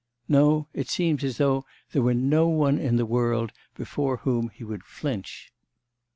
no... it seems as though there were no one in the world before whom he would flinch.